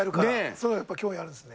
すごいやっぱ興味あるんですね。